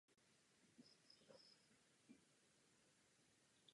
Tentokrát byli lidé na rozpacích.